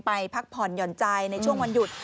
พักผ่อนหย่อนใจในช่วงวันหยุด